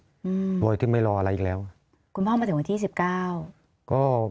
อืมบอยถึงไม่รออะไรอีกแล้วคุณพ่อมาถึงวันที่สิบเก้าก็